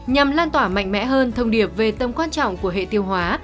nhằm lan tỏa mạnh mẽ hơn thông điệp về tâm quan trọng của hệ tiêu hóa